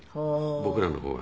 僕らの方が。